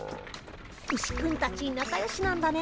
ウシくんたちなかよしなんだね。